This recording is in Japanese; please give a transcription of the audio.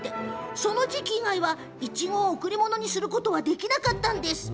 その時期以外はいちごを贈り物にすることができなかったんです。